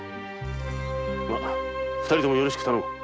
ま２人ともよろしく頼む。